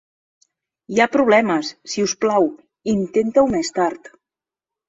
Hi ha problemes. Si us plau, intenta-ho més tard.